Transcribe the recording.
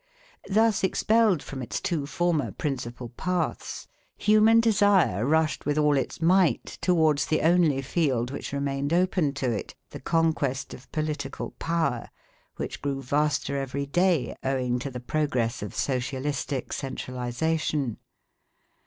Thus expelled from its two former principal paths, human desire rushed with all its might towards the only field which remained open to it, the conquest of political power, which grew vaster every day owing to the progress of socialistic centralisation.